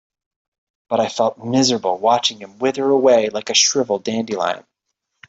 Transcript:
But I felt miserable watching him wither away like a shriveled dandelion.